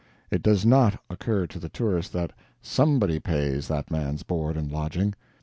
It does not occur to the tourist that SOMEBODY pays that man's board and lodging.